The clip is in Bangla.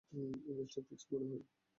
এই, ম্যাচটা ফিক্সড মনে হয়।